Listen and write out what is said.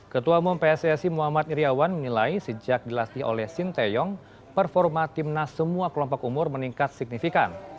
ketua umum pssi muhammad iryawan menilai sejak dilatih oleh sinteyong performa timnas semua kelompok umur meningkat signifikan